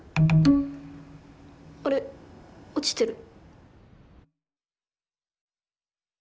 あれ落ちてる。